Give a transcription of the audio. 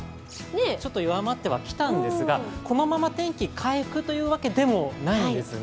ちょっと弱まってはきたんですが、このまま天気回復というわけでもないんですね